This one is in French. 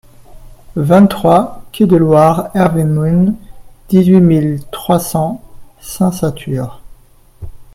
vingt-trois quai de Loire Hervé Mhun, dix-huit mille trois cents Saint-Satur